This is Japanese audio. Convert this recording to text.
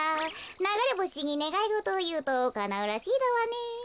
ながれぼしにねがいごとをいうとかなうらしいだわね。